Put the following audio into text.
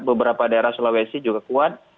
beberapa daerah sulawesi juga kuat